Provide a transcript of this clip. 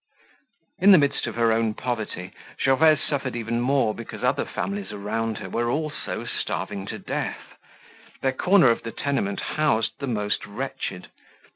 In the midst of her own poverty Gervaise suffered even more because other families around her were also starving to death. Their corner of the tenement housed the most wretched.